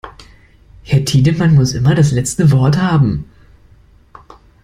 Herr Tiedemann muss immer das letzte Wort haben.